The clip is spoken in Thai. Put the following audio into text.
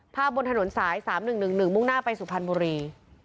ภาพบนถนนสายสามหนึ่งหนึ่งหนึ่งมุ่งหน้าไปสุพรรณบุรี